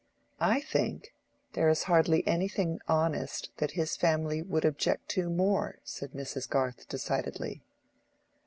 "I think, there is hardly anything honest that his family would object to more," said Mrs. Garth, decidedly.